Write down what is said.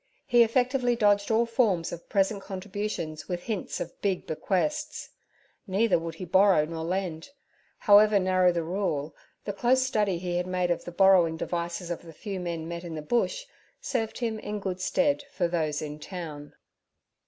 He effectually dodged all forms of present contributions with hints of big bequests; neither would he borrow nor lend, However narrow the rule, the close study he had made of the borrowing devices of the few men met in the Bush served him in good stead for those in town.